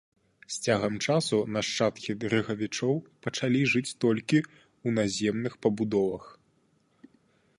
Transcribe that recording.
З цягам часу нашчадкі дрыгавічоў пачалі жыць толькі ў наземных пабудовах.